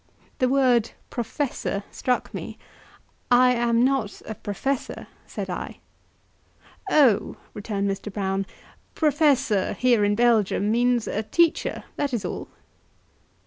The word "professor" struck me. "I am not a professor," said I. "Oh," returned Mr. Brown, "professor, here in Belgium, means a teacher, that is all."